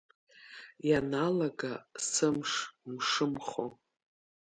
Ианалага сымш мшымхо…